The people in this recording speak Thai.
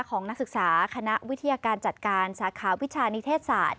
นักศึกษาคณะวิทยาการจัดการสาขาวิชานิเทศศาสตร์